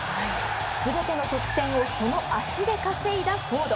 すべての得点をその足で稼いだフォード。